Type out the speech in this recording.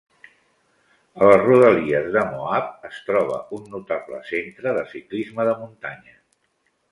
A les rodalies de Moab es troba un notable centre de ciclisme de muntanya.